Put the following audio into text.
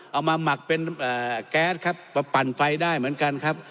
หมักเป็นแก๊สครับมาปั่นไฟได้เหมือนกันครับ